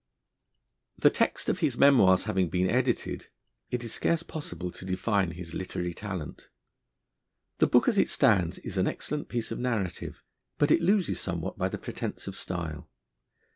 The text of his 'Memoirs' having been edited, it is scarce possible to define his literary talent. The book, as it stands, is an excellent piece of narrative, but it loses somewhat by the pretence of style.